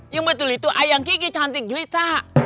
yang betul itu ayang kiki cantik jelita